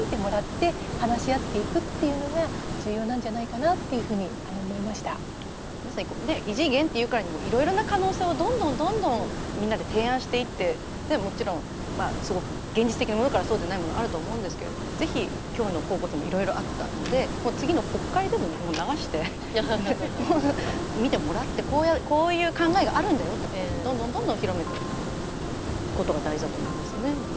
例えば子育てを手伝うみたいなそういう意識ではなくて異次元って言うからにはいろいろな可能性をどんどんみんなで提案していってもちろんすごく現実的なものからそうでないものはあると思うんですけれどぜひ、今日の高校生もいろいろあったので、次の国会でも流して見てもらって、こういう考えがあるんだよってこともどんどん広めていっていくことが大事だと思いますね。